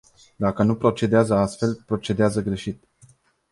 Dacă nu procedează astfel, procedează greșit.